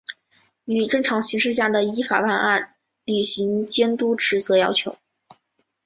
与正常形势下的依法办案、履行监督职责要求